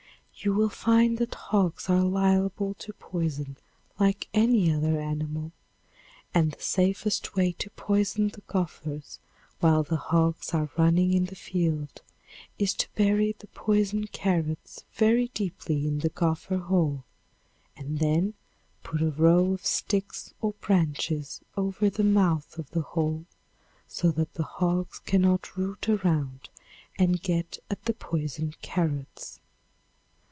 You will find that hogs are liable to poison like any other animal, and the safest way to poison the gophers, while the hogs are running in the field is to bury the poisoned carrots very deeply in the gopher hole and then put a row of sticks or branches over the mouth of the hole so that the hogs cannot root around and get at the poisoned carrots.